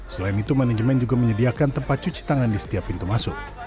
selain itu manajemen juga menyediakan tempat cuci tangan di setiap pintu masuk